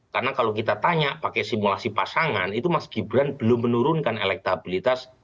karena kalau kita tanya pakai simulasi pasangan itu mas gibran belum menurunkan elektabilitas